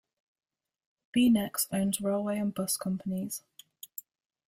BeNex owns railway and bus companies.